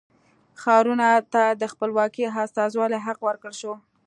ښارونو ته د خپلواکې استازولۍ حق ورکړل شو.